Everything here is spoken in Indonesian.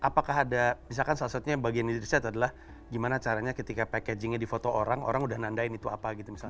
apakah ada misalkan salah satunya yang bagian dari riset adalah gimana caranya ketika packagingnya di foto orang orang udah nandain itu apa gitu misalnya